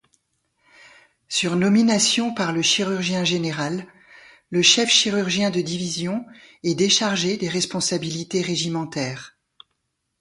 Sur nomination par le chirurgien-général, le chef-chirurgien de division est déchargé des responsabilités régimentaires.